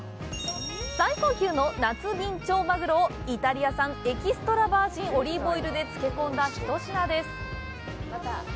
最高級の夏ビンチョウマグロをイタリア産エキストラバージンオリーブオイルで漬け込んだ一品です！